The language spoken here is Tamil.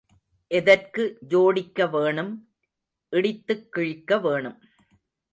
எதற்கு ஜோடிக்க வேணும், இடித்துக் கிழிக்க வேணும்.